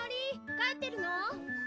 帰ってるのー？